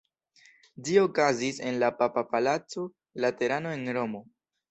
Ĝi okazis en la papa palaco Laterano en Romo.